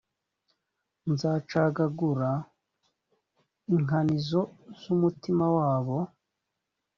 nzacagagura inkanizo z’ umutima wabo